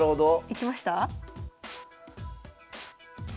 いきました？